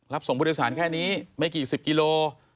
รับส่งพุทธศาลแค่นี้ไม่กี่สิบกิโล